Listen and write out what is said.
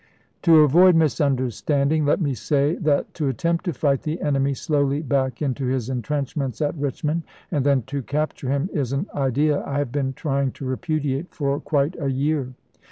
" To avoid misunderstanding, let me say that to attempt to fight the enemy slowly back into his intrenchments at Richmond, and then to capture him, is an idea I have been trying to repudiate for quite a year.